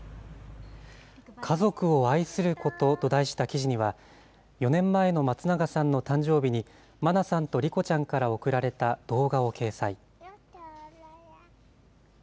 家族を愛することと題した記事には、４年前の松永さんの誕生日に、真菜さんと莉子ちゃんから贈られた動画を掲載。